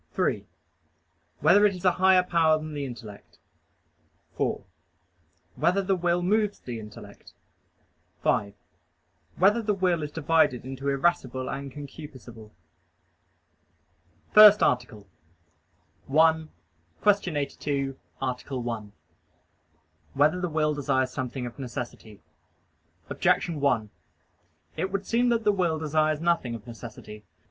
(3) Whether it is a higher power than the intellect? (4) Whether the will moves the intellect? (5) Whether the will is divided into irascible and concupiscible? _______________________ FIRST ARTICLE [I, Q. 82, Art. 1] Whether the Will Desires Something of Necessity? Objection 1: It would seem that the will desires nothing of necessity.